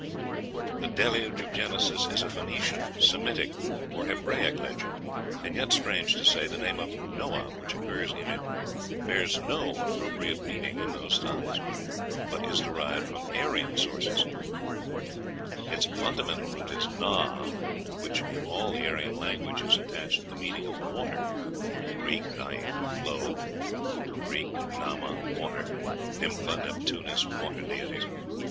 The Deluge of Genesis is a Phoenician, Semitic, or Hebraic legend, and yet, strange to say, the name of Noah, which occurs in it, bears no appropriate meaning in those tongues, but is derived from Aryan sources; its fundamental root is Na, to which in all the Aryan language is attached the meaning of water {Greek} na'ein, to flow; {Greek} na~ma, water; Nympha, Neptunus, water deities.